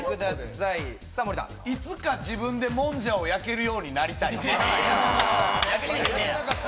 いつか自分でもんじゃを焼けるようになりたい。